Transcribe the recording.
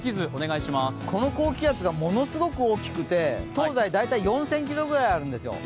この高気圧がものすごく大きくて東西大体４０００ｋｍぐらいあるんですよ。